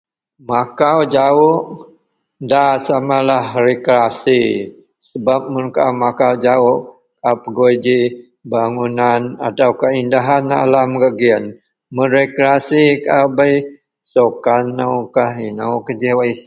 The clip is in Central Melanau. Makau jawok da lah rekreasi sebab mun kaau makau jawok kaau pegui ji bangunan atau keindahan alam gak giyen bei rekreasi bei sukan ino ji wak isak.